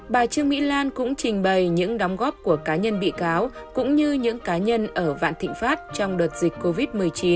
bà trương mỹ lan cũng trình bày những đóng góp của cá nhân bị cáo cũng như những cá nhân ở vạn thịnh pháp trong đợt dịch covid một mươi chín